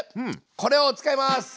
これを使います！